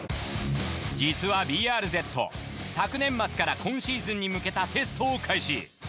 実はＢＲＺ昨年末から今シーズンに向けたテストを開始。